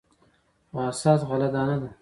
خو اساس غله دانه ده.